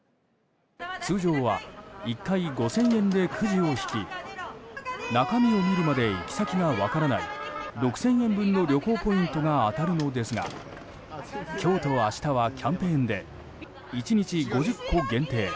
通常は１回５０００円でくじを引き中身を見るまで行き先が分からない６０００円分の旅行ポイントが当たるのですが今日と明日はキャンペーンで１日５０個限定。